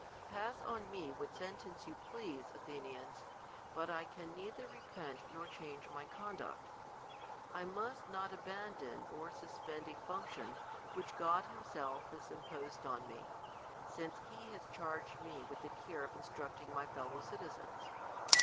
Pass on me what sentence you please, Athetiians ; but I can neither repent nor change my conduct. I must not abandon or suspend a function, which God himself has imposed On me, since he has charged me with the care of instructing my fellow citizens.